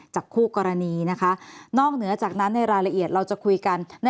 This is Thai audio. คู่กรณีนะคะนอกเหนือจากนั้นในรายละเอียดเราจะคุยกัน